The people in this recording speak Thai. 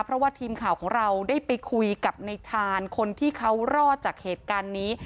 เพราะว่าทีมข่าวของเราได้ไปคุยกับในชาญคนที่เขารอดจากเหตุการณ์นี้